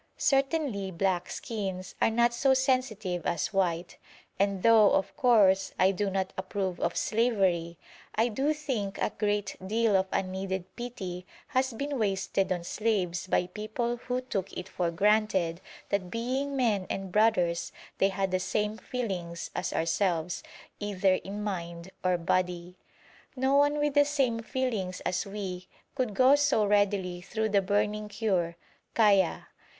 Certainly black skins are not so sensitive as white, and though, of course, I do not approve of slavery, I do think a great deal of unneeded pity has been wasted on slaves by people who took it for granted that being men and brothers they had the same feelings as ourselves, either in mind or body. No one with the same feelings as we could go so readily through the burning cure (kayya).